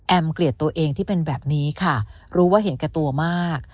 เกลียดตัวเองที่เป็นแบบนี้ค่ะรู้ว่าเห็นแก่ตัวมาก